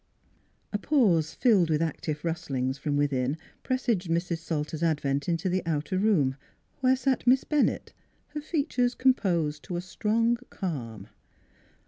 A pause, filled with active rustlings from within presaged Mrs. Salter's advent into the outer room, where sat Miss Bennett, her features composed to a strong calm.